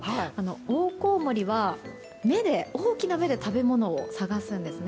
オオコウモリは大きな目で食べ物を探すんです。